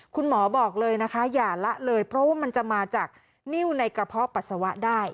คุณหมอบอกเลยนะคะอย่าละเลยเพราะว่ามันจะมาจากนิ้วในกระเพาะปัสสาวะได้